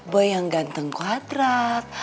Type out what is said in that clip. boy yang ganteng kuadrat